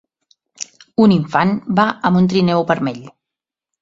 Un infant va amb un trineu vermell.